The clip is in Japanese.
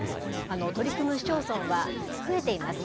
取り組む市町村は増えています。